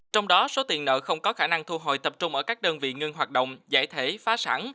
trong đó số tiền nợ không có khả năng thu hồi tập trung ở các đơn vị ngưng hoạt động giải thể phá sản